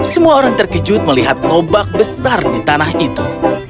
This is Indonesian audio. semua orang terkejut melihat tobak besar di tanah itu